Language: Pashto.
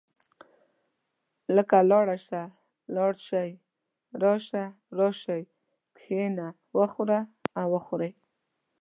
لکه لاړ شه، لاړ شئ، راشه، راشئ، کښېنه، وخوره او وخورئ.